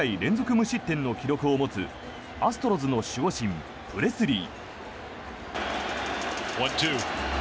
無失点の記録を持つアストロズの守護神プレスリー。